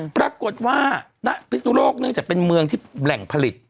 ปรากฏว่าพิศนุโรคนี้จะเป็นเมืองที่แหล่งผลิต